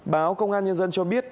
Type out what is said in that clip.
báo công an nhân dân cho biết